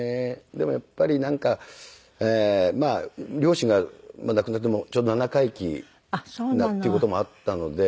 でもやっぱりなんか両親が亡くなってちょうど七回忌っていう事もあったので。